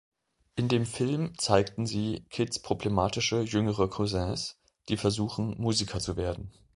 In dem Film zeigten sie Kids problematische jüngere Cousins, die versuchen, Musiker zu werden.